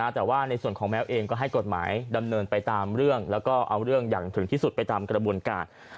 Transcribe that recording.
แต่ว่าในส่วนของแมวเองก็ให้กฎหมายดำเนินไปตามเรื่องแล้วก็เอาเรื่องอย่างถึงที่สุดไปตามกระบวนการ